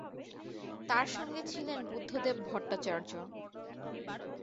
তার সঙ্গে ছিলেন বুদ্ধদেব ভট্টাচার্য।